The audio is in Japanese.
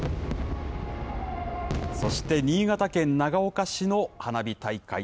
そして新潟県長岡市の花火大会。